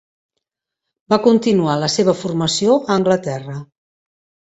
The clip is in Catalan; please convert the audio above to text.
Va continuar la seva formació a Anglaterra.